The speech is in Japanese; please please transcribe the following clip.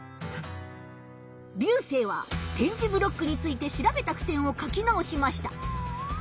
リュウセイは点字ブロックについて調べたふせんを書き直しました。